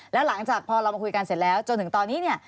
แล้วหลังจากพอเรามาคุยกันเสร็จแล้วจนถึงตอนนี้เนี่ย